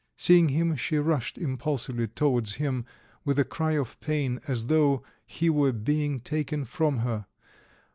Seeing him, she rushed impulsively towards him with a cry of pain as though he were being taken from her.